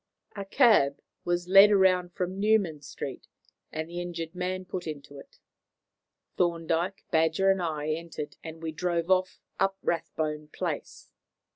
A cab was led round from Newman Street, and the injured man put into it. Thorndyke, Badger, and I entered, and we drove off up Rathbone Place.